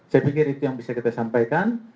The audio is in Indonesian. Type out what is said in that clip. saya pikir itu yang bisa kita sampaikan